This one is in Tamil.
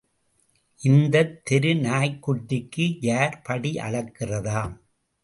இந்தத் தெரு நாய்க்குட்டிக்கு யார் படி அளக்கிறதாம்.?